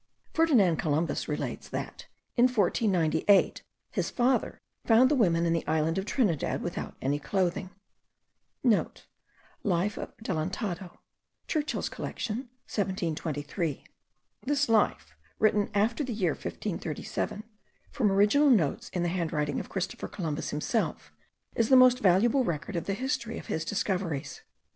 Ferdinand Columbus* relates that, in 1498, his father found the women in the island of Trinidad without any clothing (* Life of the Adelantado: Churchill's Collection 1723. This Life, written after the year 1537, from original notes in the handwriting of Christopher Columbus himself, is the most valuable record of the history of his discoveries.